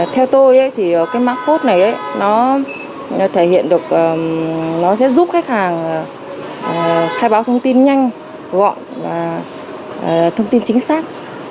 theo tôi cái mã quét này sẽ giúp khách hàng khai báo thông tin nhanh gọn và thông tin chính xác